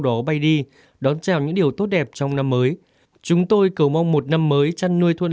đó bay đi đón chào những điều tốt đẹp trong năm mới chúng tôi cầu mong một năm mới chăn nuôi thuận